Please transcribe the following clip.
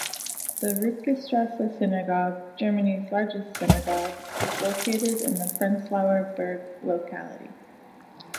The Rykestrasse Synagogue, Germany's largest synagogue, is located in the Prenzlauer Berg locality.